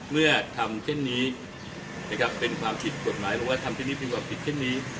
เมื่อทำเช่นนี้นะครับเป็นความผิดกฎหมายหรือว่าทำเช่นนี้มีความผิดเช่นนี้